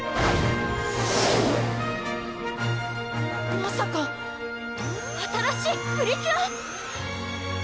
まさか新しいプリキュア⁉